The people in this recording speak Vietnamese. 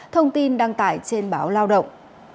thông tin đăng tải trên báo lao động